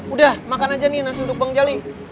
udah makan aja nih nasi uduk bang jali